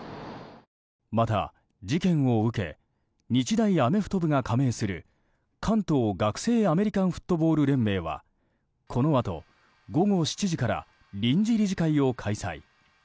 また、事件を受け日大アメフトが加盟する関東学生アメリカンフットボール連盟はこのあと、午後７時から臨時理事会を開催。